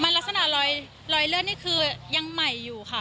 ลักษณะรอยเลือดนี่คือยังใหม่อยู่ค่ะ